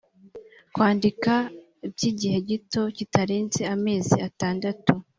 kwandika by igihe gito kitarenze amezi atandatu